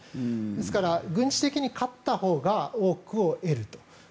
ですから、軍事的に勝ったほうが多くを得ると。